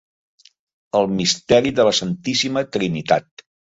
El misteri de la Santíssima Trinitat.